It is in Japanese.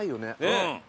うん。